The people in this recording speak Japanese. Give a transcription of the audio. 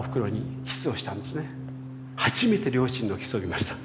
初めて両親のキスを見ました。